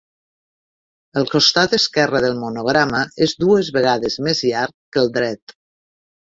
El costat esquerre del monograma és dues vegades més llarg que el dret.